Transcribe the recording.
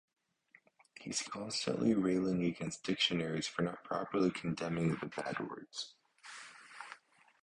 He's constantly railing against dictionaries for not properly condemning the bad words.